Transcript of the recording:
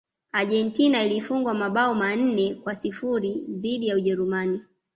argentina ilifungwa mabao manne kwa sifuri dhidi ya ujerumani